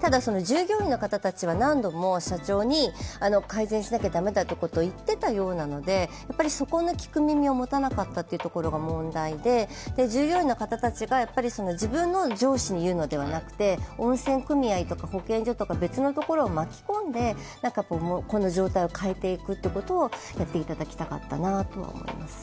ただ従業員の方たちは何度も社長に改善しなきゃ駄目だと言っていたようなのでそこの聞く耳を持たなかったことが問題で従業員の方たちが自分の上司に言うのではなくて、温泉組合とか保健所とか、別のところを巻き込んでこの状態を変えていくことをやっていただきたかったなとは思います。